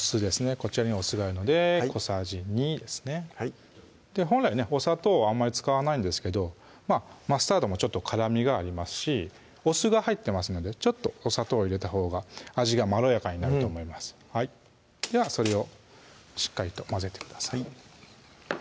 こちらにお酢があるので小さじ２ですねはい本来ねお砂糖あんまり使わないんですけどマスタードもちょっと辛みがありますしお酢が入ってますのでちょっとお砂糖を入れたほうが味がまろやかになると思いますではそれをしっかりと混ぜてください